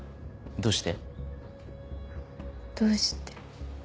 どうして？